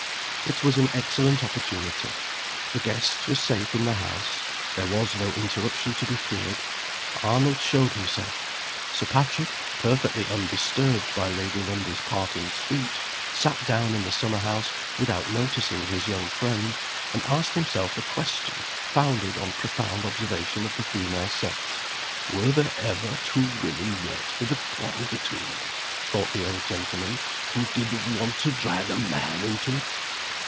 It was an excellent opportunity. The guests were safe in the house there was no interruption to be feared, Arnold showed himself. Sir Patrick (perfectly undisturbed by Lady Lundie's parting speech) sat down in the summer house, without noticing his young friend, and asked himself a question founded on profound observation of the female sex. "Were there ever two women yet with a quarrel between them," thought the old gentleman, "who didn't want to drag a man into it?